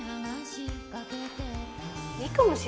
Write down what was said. いいかもしれないですね。